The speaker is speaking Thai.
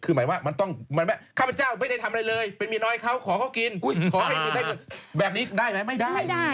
คือหมายว่าข้าพเจ้าไม่ได้ทำอะไรเลยเป็นเมียน้อยเขาขอเขากินแบบนี้ได้ไหมไม่ได้